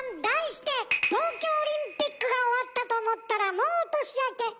題して「東京オリンピックが終わったと思ったらもう年明け！